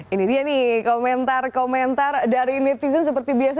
ini dia nih komentar komentar dari netizen seperti biasa